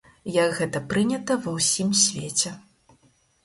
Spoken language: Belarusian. Як гэта прынята ва ўсім свеце.